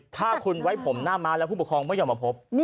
ถ้าคุณไว้ผมหน้าม้าแล้วผู้ปกครองไม่ยอมมาพบ